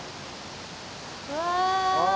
うわ！